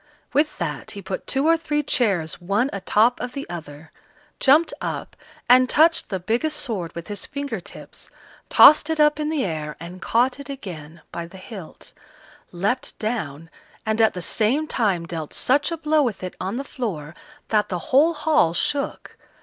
With that he put two or three chairs one a top of the other, jumped up, and touched the biggest sword with his finger tips, tossed it up in the air, and caught it again by the hilt; leapt down, and at the same time dealt such a blow with it on the floor that the whole hall shook.